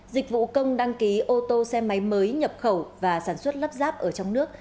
dịch vụ công đăng ký ô tô xe máy mới nhập khẩu và sản xuất lắp ráp ở trong nước